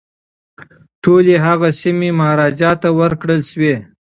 ټولي هغه سیمي مهاراجا ته ورکړل شوې.